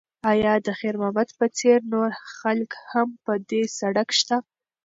ایا د خیر محمد په څېر نور خلک هم په دې سړک شته؟